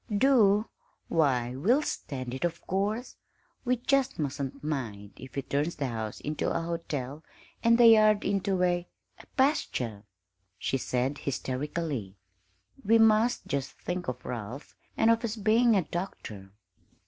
"Do? Why, we'll stand it, of course. We just mustn't mind if he turns the house into a hotel and the yard into a a pasture!" she said hysterically. "We must just think of Ralph and of his being a doctor.